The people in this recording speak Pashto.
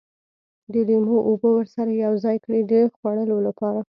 د لیمو اوبه ورسره یوځای کړي د خوړلو لپاره.